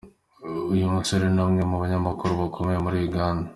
Uyu munsi ni umwe mu banyamakuru bakomeye muri Uganda.